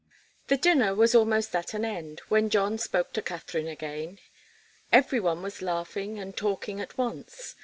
The dinner was almost at an end, when John spoke to Katharine again. Every one was laughing and talking at once.